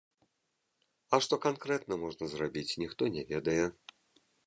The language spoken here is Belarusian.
А што канкрэтна можна зрабіць, ніхто не ведае.